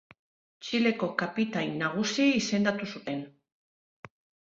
Txileko Kapitain Nagusi izendatu zuten.